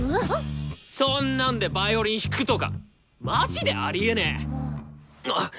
そんなんでヴァイオリン弾くとかマジでありえねえ！